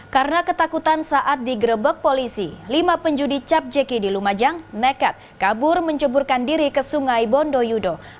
karena ketakutan saat digerebek polisi lima penjudi capjeki di lumajang mekat kabur menjeburkan diri ke sungai bondoyudo